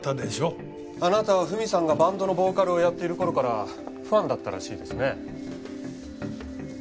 あなたは文さんがバンドのボーカルをやっている頃からファンだったらしいですね？